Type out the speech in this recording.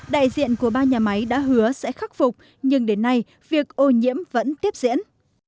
đại diện của ba nhà máy đã hứa sẽ khắc phục nhưng đến nay việc ô nhiễm vẫn tiếp diễn